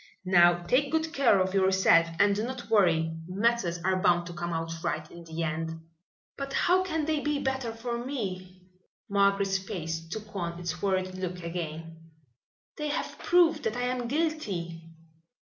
"Now take good care of yourself and do not worry. Matters are bound to come out right in the end." "But how can they be better for me?" Margaret's face took on its worried look again. "They have proved that I am guilty."